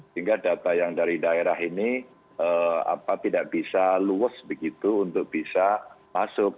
sehingga data yang dari daerah ini tidak bisa luwes begitu untuk bisa masuk